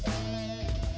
sampai jumpa lagi